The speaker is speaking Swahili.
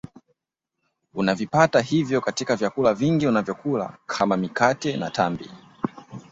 Unavipata hivyo katika vyakula vingi unavyokula kama mikate na tambi